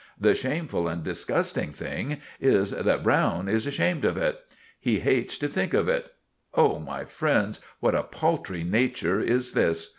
The shameful and disgusting thing is that Browne is ashamed of it! He hates to think of it. Oh, my friends, what a paltry nature is this.